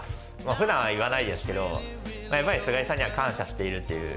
普段は言わないですけどやっぱり須貝さんには感謝しているっていう。